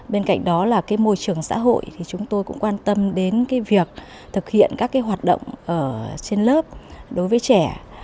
bên cạnh đó là môi trường xã hội thì chúng tôi cũng quan tâm đến việc thực hiện các hoạt động ở trên lớp đối với trẻ